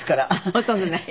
ほとんどない。